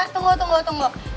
tunggu tunggu tunggu